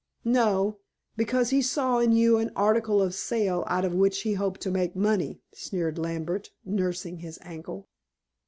"No. Because he saw in you an article of sale out of which he hoped to make money," sneered Lambert, nursing his ankle.